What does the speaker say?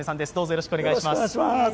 よろしくお願いします。